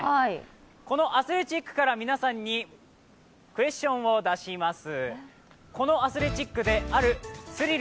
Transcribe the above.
このアスレチックから皆さんにクエスチョンを出します。